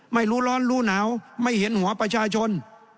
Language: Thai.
ไม่รู้ร้อนรู้หนาวไม่เห็นหัวประชาชน